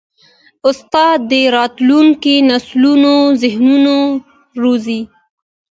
استاد د راتلونکي نسلونو ذهنونه روزي.